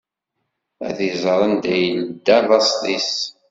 Ad iẓer anda yedda laṣel-is.